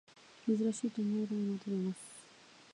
珍しいと思われたものを食べます